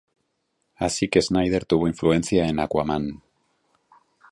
Así que Snyder tuvo influencia en Aquaman.